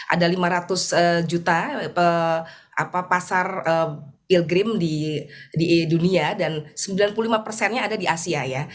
ada lima ratus juta pasar ill green di dunia dan sembilan puluh lima persennya ada di asia ya